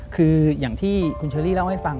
คืออย่างที่คุณเชอรี่เล่าให้ฟัง